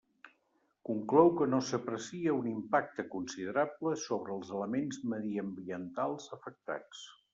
Conclou que no s'aprecia un impacte considerable sobre els elements mediambientals afectats.